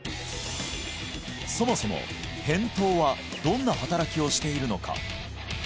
そもそも扁桃はどんな働きをしているのか？